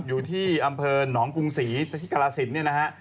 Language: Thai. อยู่ที่อำเภอหนองกรุงศรีที่กรสินเนี่ยนะฮะ